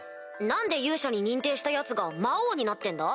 何で勇者に認定したヤツが魔王になってんだ？